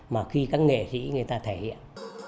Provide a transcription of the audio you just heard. mà khi các nghệ sĩ người ta thể hiện